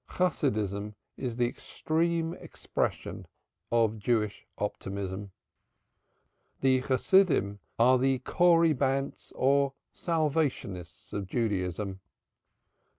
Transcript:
Chasidism is the extreme expression of Jewish optimism. The Chasidim are the Corybantes or Salvationists of Judaism.